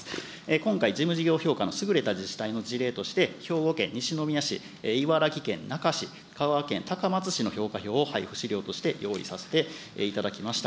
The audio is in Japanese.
今回、事務事業評価の優れた自治体の事例として、兵庫県西宮市、茨城県那珂市、香川県高松市の評価票を配布資料として用意させていただきました。